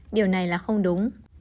điều này là không đúng